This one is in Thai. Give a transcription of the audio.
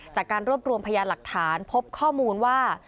จากการรวบรวมพยานหลักฐานพบข้อมูลว่า